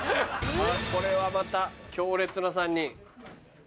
これはまた強烈な３人。